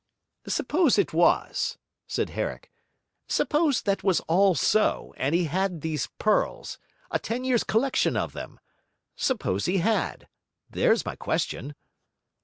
'Suppose it was?' said Herrick. 'Suppose that was all so, and he had these pearls a ten years' collection of them? Suppose he had? There's my question.'